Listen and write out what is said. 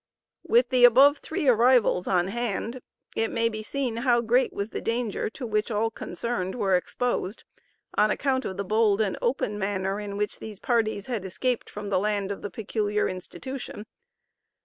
With the above three arrivals on hand, it may be seen how great was the danger to which all concerned were exposed on account of the bold and open manner in which these parties had escaped from the land of the peculiar institution.